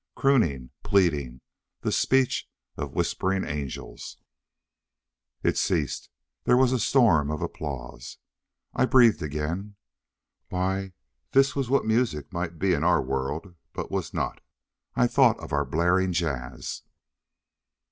Crooning, pleading, the speech of whispering angels. It ceased. There was a storm of applause. I breathed again. Why, this was what music might be in our world but was not. I thought of our blaring jazz.